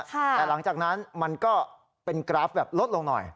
แต่หลังจากนั้นมันก็เป็นกราฟแบบลดลงหน่อย